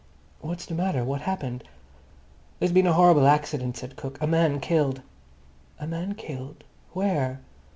"What's the matter? What's happened?" "There's been a horrible accident," said Cook. "A man killed." "A man killed! Where?